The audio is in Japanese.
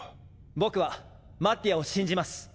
僕はマッティアを信じます。